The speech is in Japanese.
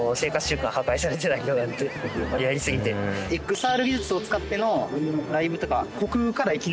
ＸＲ技術を使ってのライブとか。